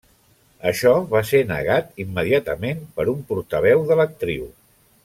Això va ser negat immediatament per un portaveu de l'actriu.